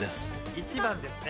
１番ですね。